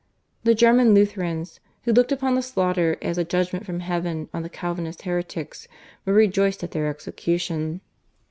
The German Lutherans, who looked upon the slaughter as a judgment from Heaven on the Calvinist heretics, were rejoiced at their execution.